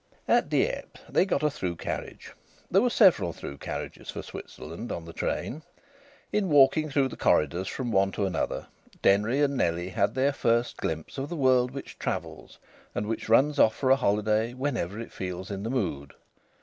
At Dieppe they got a through carriage. There were several through carriages for Switzerland on the train. In walking through the corridors from one to another Denry and Nellie had their first glimpse of the world which travels and which runs off for a holiday whenever it feels in the mood.